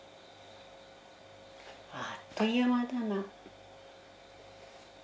あっという間だな。